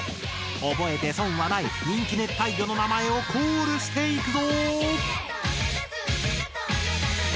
覚えて損はない人気熱帯魚の名前をコールしていくぞ！